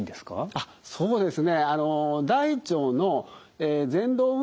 あっそうですね